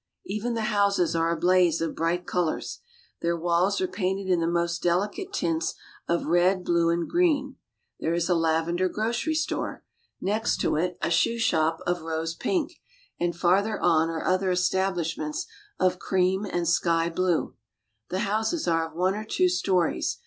Even the houses are a blaze of bright colors. Their walls are painted in the most delicate tints of red, blue, and green. There is a lavender grocery store ; next to it LA PAZ. 89 a shoe shop of rose pink ; and farther on are other estab lishments of cream and sky blue. The houses are of one or two stories.